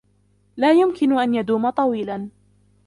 لا يمكن أن يدوم طويلا.